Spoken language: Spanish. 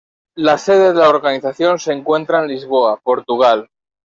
La sede de la organización se encuentra en Lisboa, Portugal.